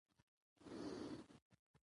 چې علمي وسعت ئې سېوا شي